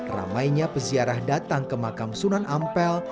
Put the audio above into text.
ramainya peziarah datang ke makam sunan ampel